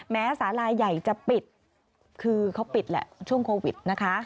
สาลาใหญ่จะปิดคือเขาปิดแหละช่วงโควิดนะคะ